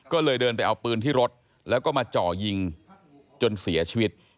ก็เลยเดินไปเอาปืนที่รถแล้วก็มาจ่อยิงจนเสียชีวิต